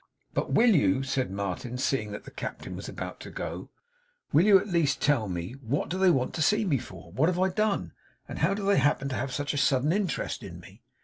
'But will you,' said Martin, seeing that the Captain was about to go; 'will you at least tell me this? What do they want to see me for? what have I done? and how do they happen to have such a sudden interest in me?